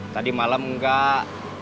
tadi malam enggak